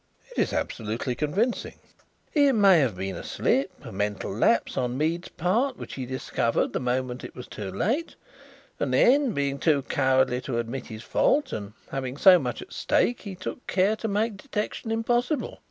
"It is absolutely convincing." "It may have been a slip, a mental lapse on Mead's part which he discovered the moment it was too late, and then, being too cowardly to admit his fault, and having so much at stake, he took care to make detection impossible.